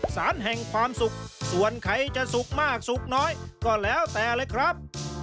แห่งความสุขส่วนใครจะสุกมากสุกน้อยก็แล้วแต่เลยครับ